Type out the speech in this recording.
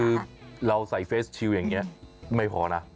คือเราใส่เฟสชิลอย่างนี้ไม่พอนะ